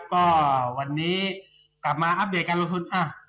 ก็วันนี้กลับมาอัปเดตการลงทุน